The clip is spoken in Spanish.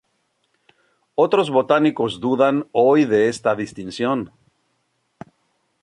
Otros botánicos dudan hoy de esta distinción.